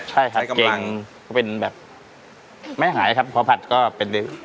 ใช่ครับเก่งเป็นแบบไม่หายครับพอผัดก็เป็นลืม